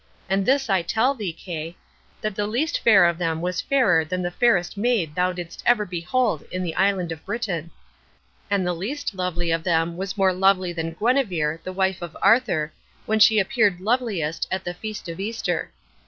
And this I tell thee, Kay, that the least fair of them was fairer than the fairest maid thou didst ever behold in the island of Britain; and the least lovely of them was more lovely than Guenever, the wife of Arthur, when she appeared loveliest, at the feast of Easter.